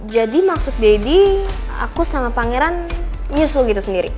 jadi maksud daddy aku sama pangeran nyusul gitu sendiri